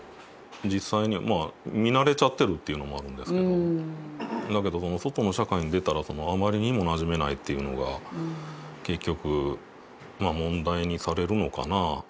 実際には見慣れちゃってるっていうのもあるんですけどだけどその外の社会に出たらあまりにもなじめないっていうのが結局問題にされるのかな。